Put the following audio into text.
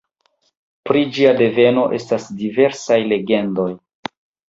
Pri ĝia deveno estas diversaj legendoj.